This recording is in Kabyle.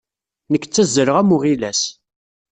Nekk ttazzaleɣ am uɣilas.